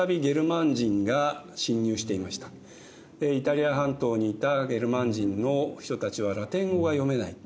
イタリア半島にいたゲルマン人の人たちはラテン語が読めない。